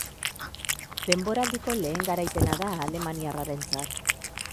Denboraldiko lehen garaipena da alemaniarrarentzat.